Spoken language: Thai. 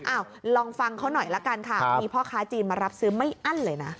ลองฟังเขาหน่อยละกันค่ะมีพ่อค้าจีนมารับซื้อไม่อั้นเลยนะ